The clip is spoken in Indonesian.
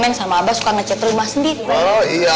neng sama abah suka ngechat rumah sendiri